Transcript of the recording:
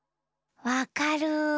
わかる！